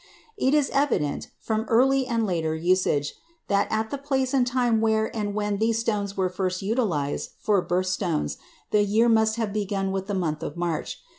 It is evident, from early and later usage, that, at the place and time where and when these stones were first utilized for birth stones, the year must have begun with the month of March.